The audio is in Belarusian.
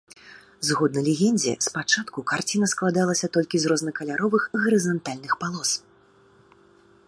Згодна легендзе спачатку карціна складалася толькі з рознакаляровых гарызантальных палос.